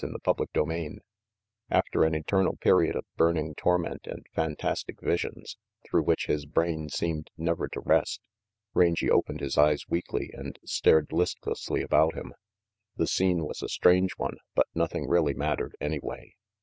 CHAPTER XIV AFTER an eternal period of burning torment and fantastic visions through which his brain seemed never to rest, Rangy opened his eyes weakly and stared listlessly about him. The scene was a strange one, but nothing really mattered anyway.